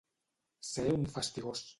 Ser un fastigós.